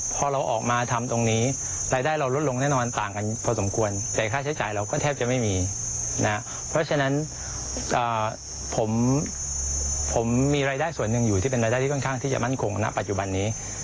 ผมมีรายได้ส่วนหนึ่งอยู่ที่เป็นรายได้ที่ค่อนข้างที่จะมั่นคงณปัจจุบันนี้